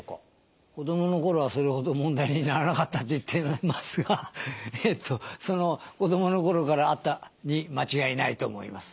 子どもの頃はそれほど問題にならなかったと言っていますがその子どもの頃からあったに間違いないと思います。